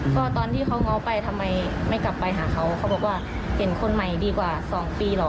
ก็ตอนที่เขาง้อไปทำไมไม่กลับไปหาเขาเขาบอกว่าเห็นคนใหม่ดีกว่า๒ปีเหรอ